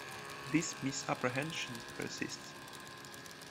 This misapprehension persists.